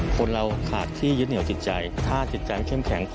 คนเราขาดที่ยึดเหนียวจิตใจถ้าจิตใจเข้มแข็งพอ